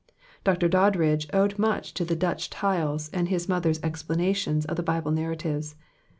Dr. Doddridge owed much to the Dutch tiles and his mother's explana tions of the Bible narratives.